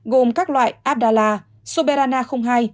gồm các loại abdala soberana hai